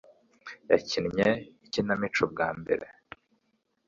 yakinnye ikinamico bwa mbere